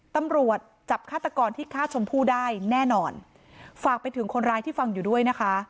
ตำรวจจับฆาตกรที่ฆ่าชมพู่ได้แน่นอนฝากไปถึงคนร้ายที่ฟังอยู่ด้วยนะคะ